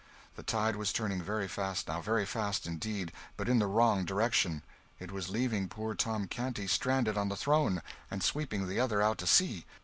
The tide was turning very fast now, very fast indeed but in the wrong direction; it was leaving poor Tom Canty stranded on the throne, and sweeping the other out to sea.